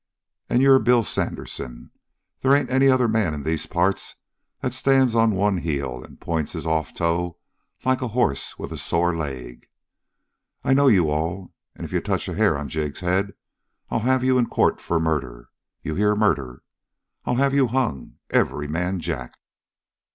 And you're Bill Sandersen. They ain't any other man in these parts that stands on one heel and points his off toe like a horse with a sore leg. I know you all, and, if you touch a hair on Jig's head, I'll have you into court for murder! You hear murder! I'll have you hung, every man jack!"